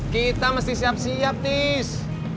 kita mesti siap siap tis